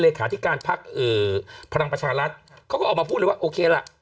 เหลขาที่การภักดิ์ภรรังประชารัฐเขาก็ออกมาพูดเลยว่าโอเค